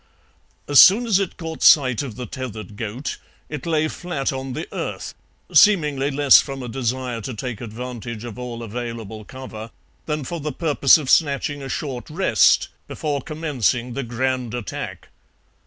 As soon as it caught sight of the tethered goat it lay flat on the earth, seemingly less from a desire to take advantage of all available cover than for the purpose of snatching a short rest before commencing the grand attack.